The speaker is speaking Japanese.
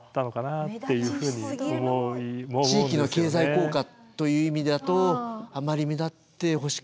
地域の経済効果という意味だとあまり目立ってほしくはないっていう。